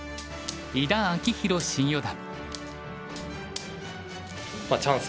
井田明宏新四段。